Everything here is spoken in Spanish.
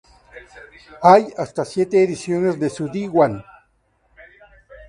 Hay hasta siete ediciones de su diwan.